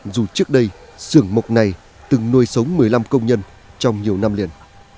dù trước đây sưởng mộc này từng nuôi sống một mươi năm công nhân trong nhiều năm liền